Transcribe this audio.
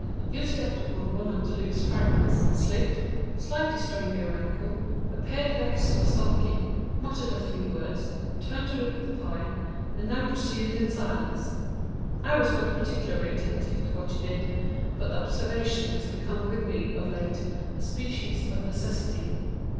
You stepped upon one of the loose fragments, slipped, slightly strained your ankle, appeared vexed or sulky, muttered a few words, turned to look at the pile, and then proceeded in silence. I was not particularly attentive to what you did; but observation has become with me, of late, a species of necessity.